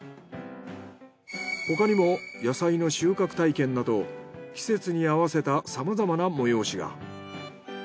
他にも野菜の収穫体験など季節に合わせたさまざまな催しが。